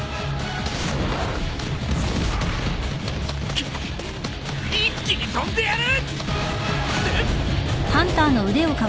くっ一気に跳んでやる！